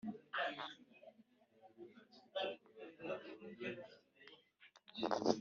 kandi imiringa y’amaturo yari italanto mirongo itatu